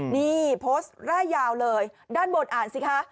นี่โพสต์แร่ยาวเลยด้านบนอ่านสิคะ